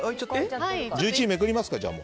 １１位めくりますか、じゃあ。